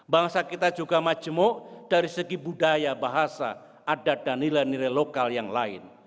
bangsa kita juga majemuk dari segi budaya bahasa adat dan nilai nilai lokal yang lain